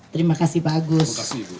terima kasih pak agus